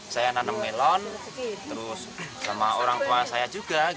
saya nanam melon terus sama orang tua saya juga